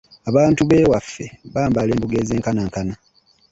Abantu b'ewaffe bambala embugo ezenkanankana.